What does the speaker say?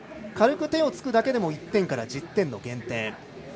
軽く手をつくだけでも１点から１０点の減点。